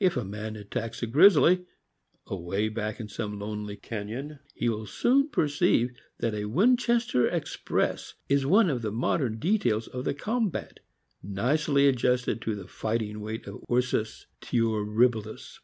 If a man attack a grizzly, away back in some lonely canon, he will soon perceive that a Winchester Express is one of the modern details of the combat, nicely adjusted to the fighting weight of Ursus Tiorribilis.